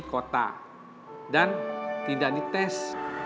kota dan tidak dites